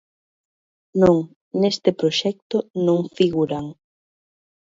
Non, neste proxecto non figuran.